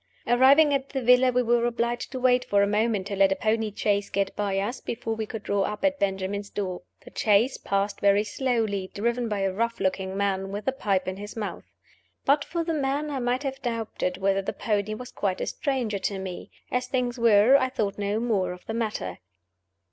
Arriving at the villa, we were obliged to wait for a moment to let a pony chaise get by us before we could draw up at Benjamin's door. The chaise passed very slowly, driven by a rough looking man, with a pipe in his mouth. But for the man, I might have doubted whether the pony was quite a stranger to me. As things were, I thought no more of the matter.